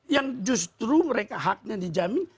yang justru mereka haknya dijamin